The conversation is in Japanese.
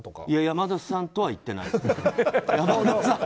いや、山田さんとは言ってない。